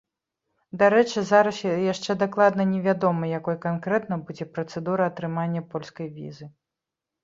Дарэчы, зараз яшчэ дакладна не вядома, якой канкрэтна будзе працэдура атрымання польскай візы.